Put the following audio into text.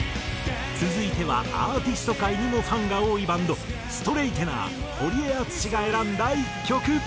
続いてはアーティスト界にもファンが多いバンドストレイテナーホリエアツシが選んだ１曲。